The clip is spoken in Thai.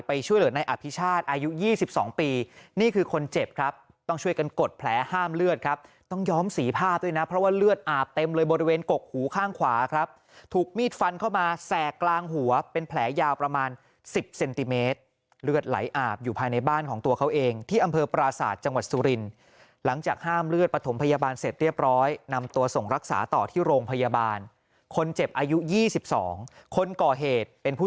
เพราะว่าเลือดอาบเต็มเลยบริเวณกกหูข้างขวาครับถูกมีดฟันเข้ามาแสกกลางหัวเป็นแผลยาวประมาณ๑๐เซนติเมตรเลือดไหลอาบอยู่ภายในบ้านของตัวเขาเองที่อำเภอปราศาสตร์จังหวัดสุรินหลังจากห้ามเลือดปฐมพยาบาลเสร็จเรียบร้อยนำตัวส่งรักษาต่อที่โรงพยาบาลคนเจ็บอายุ๒๒คนก่อเหตุ